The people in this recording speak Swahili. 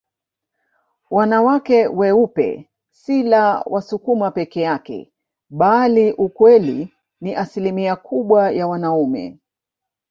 Wanawake weupe si la Wasukuma peke yake bali ukweli ni asimilia kubwa ya wanaume